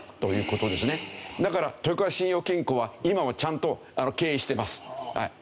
だから豊川信用金庫は今もちゃんと経営してます。